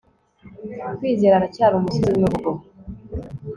kwizera aracyari umusizi w'imivugo